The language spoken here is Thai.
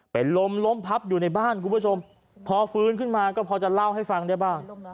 เป็นลมล้มพับอยู่ในบ้านคุณผู้ชมพอฟื้นขึ้นมาก็พอจะเล่าให้ฟังได้บ้าง